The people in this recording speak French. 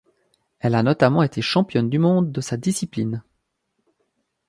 Elle a notamment été championne du Monde de sa discipline.